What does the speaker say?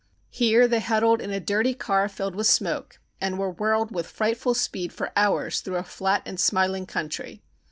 Here they huddled in a dirty car filled with smoke and were whirled with frightful speed for hours through a flat and smiling country.